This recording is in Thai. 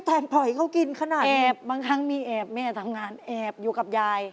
อ้าวพอมกันอีกแล้วนะครับ